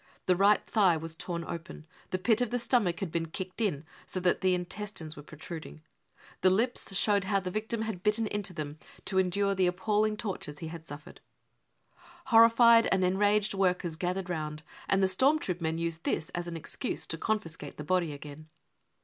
The right thigh was torn open. The pit of the stomach had been kicked in, so that the intestines were protrud ing. The lips showed how the victim had bitten into them to endure the appalling tortures he had suffered. " Horrified and enraged workers gathered round, and the storm troop men used this as an excuse to confiscate the body again.